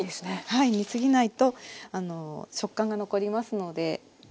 はい煮過ぎないと食感が残りますので。